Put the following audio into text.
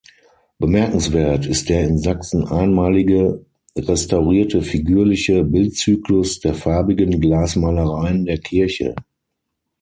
Bemerkenswert ist der in Sachsen einmalige restaurierte figürliche Bildzyklus der farbigen Glasmalereien der Kirche.